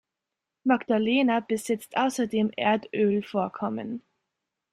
Magdalena besitzt außerdem Erdölvorkommen.